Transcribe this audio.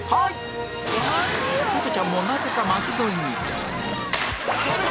ホトちゃんもなぜか巻き添えに